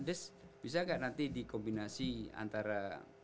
des bisa nggak nanti dikombinasi antara